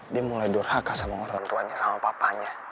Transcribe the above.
dia mulai durhaka sama orang tuanya sama papanya